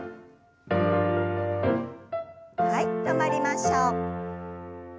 はい止まりましょう。